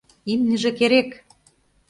Имньыже керек!..